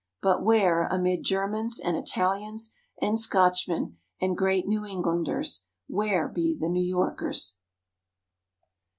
But where, amid Germans and Italians and Scotchmen and great New Englanders where be the New Yorkers?